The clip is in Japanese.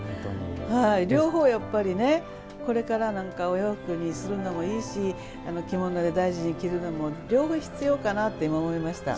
両方、やっぱりこれからお洋服にするのもいいし着物で大事に着るのも両方、必要かなと思いました。